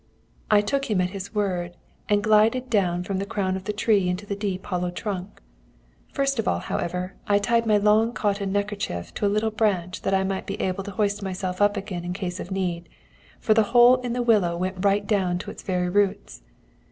I took him at his word, and glided down from the crown of the tree into the deep hollow trunk. First of all, however, I tied my long cotton neckerchief to a little branch, that I might be able to hoist myself up again in case of need, for the hole in the willow went right down to its very roots.